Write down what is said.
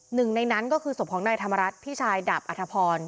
หนึ่งในนั้นก็คือศพของนายธรรมรัฐพี่ชายดาบอัธพร